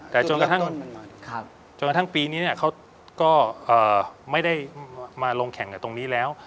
แต่จนกระทั่งปีนี้เนี่ยเขาก็ไม่ได้มาลงแข่งตรงนี้แล้ว